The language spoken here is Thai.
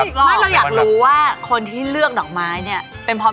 พี่อายกับพี่อ๋อมไม่ได้ครับ